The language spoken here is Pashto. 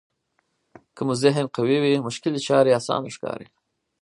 که مو ذهن قوي وي مشکلې چارې اسانه ښکاري.